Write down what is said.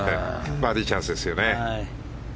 バーディーチャンスですよね。